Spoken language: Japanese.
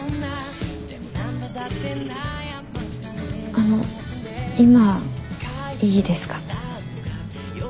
あの今いいですか？